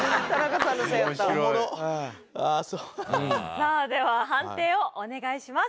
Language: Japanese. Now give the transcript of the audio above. さあでは判定をお願いします。